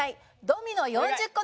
ドミノ４０個